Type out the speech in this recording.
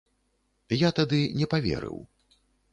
Я тады не паверыў.